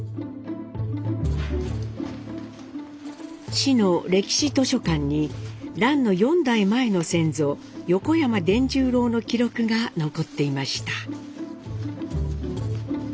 市の歴史図書館に蘭の４代前の先祖横山傳十郎の記録が残っていました。